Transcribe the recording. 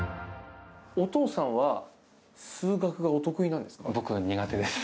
お父さんは数学がお得意なん僕は苦手です。